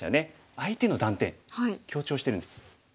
相手の断点強調してるんです。